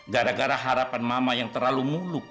gara gara harapan mama yang terlalu muluk